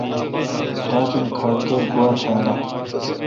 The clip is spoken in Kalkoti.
تراچ ام کھال کیر گواتھال اہ۔